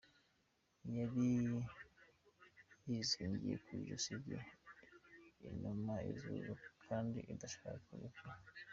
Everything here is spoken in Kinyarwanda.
"Yari yizingiye ku ijosi rye iruma izuru kandi idashaka kurekura.